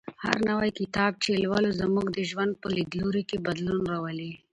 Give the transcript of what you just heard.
هر نوی کتاب چې لولو زموږ د ژوند په لیدلوري کې بدلون راولي.